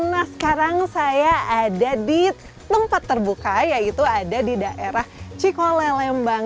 nah sekarang saya ada di tempat terbuka yaitu ada di daerah cikole lembang